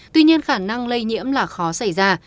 tuy nhiên khả năng lây nhiễm là khó xảy ra